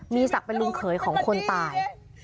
มีศักดิ์เป็นลุงเขยของคนตาย